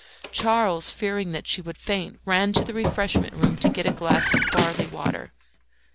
Charles, fearing that she would faint, ran to the refreshment room to get a glass of barley water.